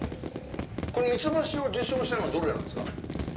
３つ星を受賞したのはどれなんですか？